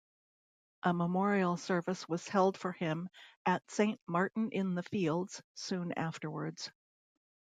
A memorial service was held for him at Saint Martin-in-the-Fields soon afterwards.